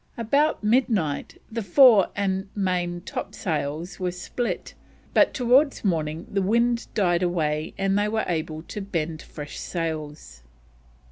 About midnight the fore and main topsails were split, but towards morning the wind died away and they were able to bend fresh sails.